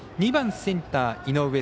２番センター、井上。